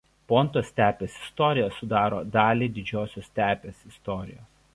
Ponto stepės istorija sudaro dalį Didžiosios stepės istorijos.